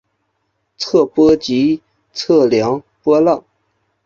测波即测量波浪。